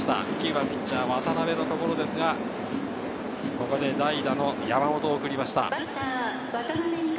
９番・ピッチャー、渡邉のところですが、代打の山本を送りました。